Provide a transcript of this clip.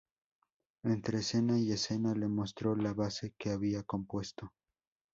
Entre escena y escena le mostró la base que había compuesto.